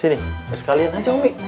sini bersekalian aja umi